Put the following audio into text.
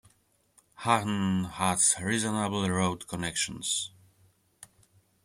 Hahn has reasonable road connections.